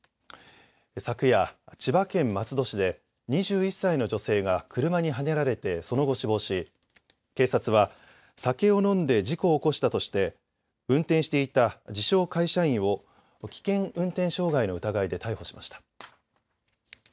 昨夜、千葉県松戸市で２１歳の女性が車にはねられてその後死亡し警察は酒を飲んで事故を起こしたとして運転していた自称会社員を危険運転傷害の疑いで逮捕しました。